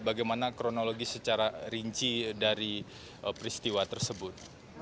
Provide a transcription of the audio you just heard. bagaimana kronologi secara rinci dari peristiwa tersebut